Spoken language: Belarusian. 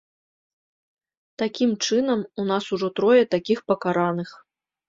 Такім чынам, у нас ужо трое такіх пакараных.